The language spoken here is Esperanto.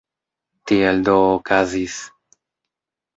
Tiel do okazis.